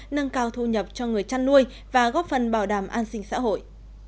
nâng cao thu nhập cho người chăn nuôi và góp phần bảo đảm an sinh xã hội